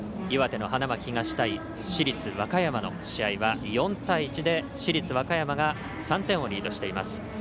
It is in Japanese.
岩手の花巻東対市立和歌山の試合は４対１で市立和歌山が３点をリードしています。